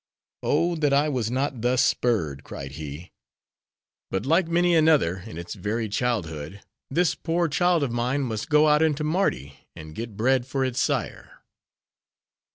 "Oh, that I was not thus spurred!" cried he; "but like many another, in its very childhood, this poor child of mine must go out into Mardi, and get bread for its sire."